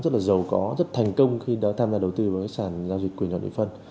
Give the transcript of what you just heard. rất là dâu có rất thành công khi đã tham gia đầu tư vào sản giao dịch quyền đoạn địa phân